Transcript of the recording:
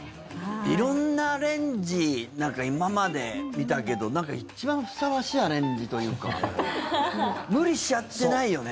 色んなアレンジ今まで見たけどなんか一番ふさわしいアレンジというか無理しちゃってないよね。